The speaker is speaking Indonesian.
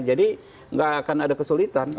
jadi tidak akan ada kesulitan